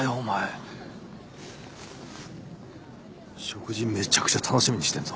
食事めちゃくちゃ楽しみにしてんぞ。